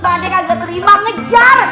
pakde kaget terima ngejar